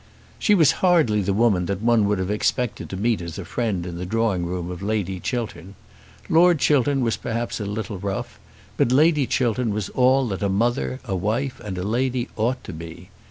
She was hardly the woman that one would have expected to meet as a friend in the drawing room of Lady Chiltern. Lord Chiltern was perhaps a little rough, but Lady Chiltern was all that a mother, a wife, and a lady ought to be.